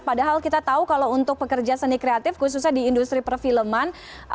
padahal kita tahu kalau untuk pekerja seni kreatif khususnya di industri perfilman